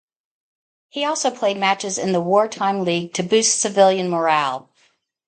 He also played matches in the war-time league to boost civilian morale.